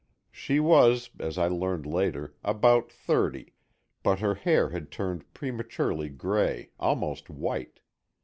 She was, as I learned later, about thirty, but her hair had turned prematurely gray, almost white.